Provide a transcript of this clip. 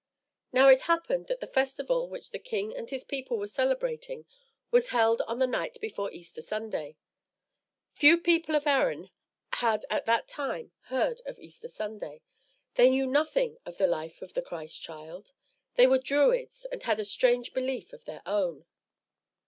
Now it happened that the festival which the king and his people were celebrating was held on the night before Easter Sunday. Few people of Erin had at that time heard of Easter Sunday. They knew nothing of the life of the Christ Child. They were Druids, and had a strange belief of their own.